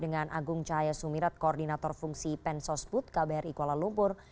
dengan agung cahaya sumirat koordinator fungsi pensos put kbr ikuala lumpur